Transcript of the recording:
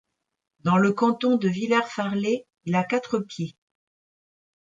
Dans le canton de Villers-Farlay, il a quatre pieds.